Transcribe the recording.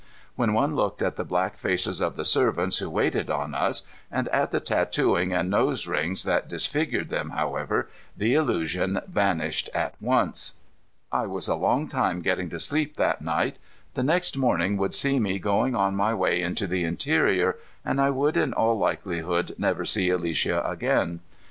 When one looked at the black faces of the servants who waited on us, and at the tattooing and nose rings that disfigured them, however, the illusion vanished at once. I was a long time getting to sleep that night. The next morning would see me going on my way into the interior, and I would in all likelihood never see Alicia again.